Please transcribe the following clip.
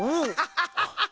ハハハハ。